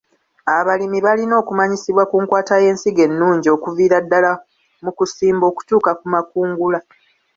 Abalimi balina okumanyisibwa ku nkwata y'ensigo ennungi okuviira ddala mu kusimba okutuuka ku makungula.